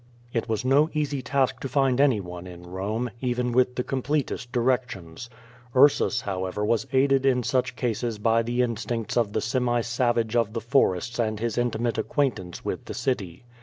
It was no easy task to find anyone in Kome, even with the completest directions. Ursus, however, was aided in such cases by the instincts of the semi savage of the forests and his intimate acquaintance with the city.